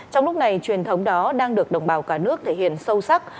trong lúc này truyền thống đó đang được đồng bào cả nước thể hiện sâu sắc